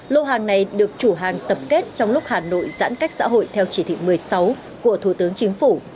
lô hàng này được chủ hàng tập kết trong lúc hà nội giãn cách xã hội theo chỉ thị một mươi sáu của thủ tướng chính phủ